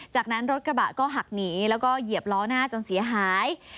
จากนั้นรถกระบะก็หักหนีแล้วก็เหยียบล้อหน้าจนเสียหาย